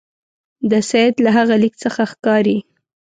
د سید له هغه لیک څخه ښکاري.